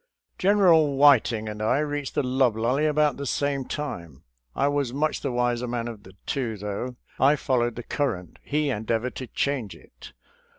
General Whit ing and I reached the loblolly aboat the same time. I was much the wiser man of the two, though ; I followed the current, he endeavored to change it.